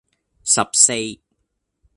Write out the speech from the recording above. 十四